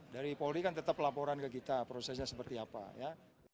dari polri kan tetap laporan ke kita prosesnya seperti apa ya